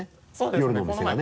夜のお店がね。